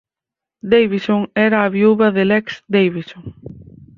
Davison era a viúva de Lex Davison.